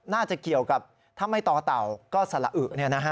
น่าจะเกี่ยวกับถ้าไม่ต่อเต่าก็สละอึ